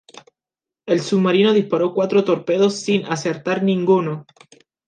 El submarino disparó cuatro torpedos sin acertar ninguno.